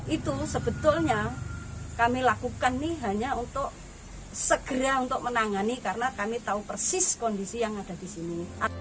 itu sebetulnya kami lakukan ini hanya untuk segera untuk menangani karena kami tahu persis kondisi yang ada di sini